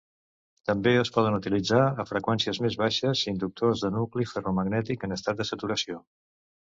També es poden utilitzar a freqüències més baixes inductors de nucli ferromagnètic en estat de saturació.